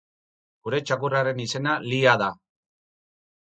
Gure txakurraren izena Liha da